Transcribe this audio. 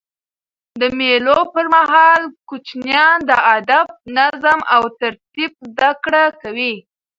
د مېلو پر مهال کوچنيان د ادب، نظم او ترتیب زدهکړه کوي.